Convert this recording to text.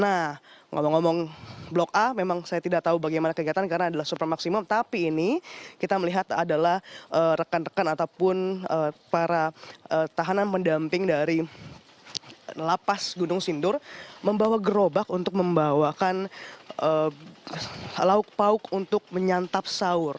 nah ngomong ngomong blok a memang saya tidak tahu bagaimana kegiatan karena adalah super maksimum tapi ini kita melihat adalah rekan rekan ataupun para tahanan mendamping dari lapas gunung sindur membawa gerobak untuk membawakan lauk pauk untuk menyantap sahur